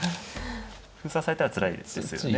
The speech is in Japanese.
封鎖されたらつらいですよね。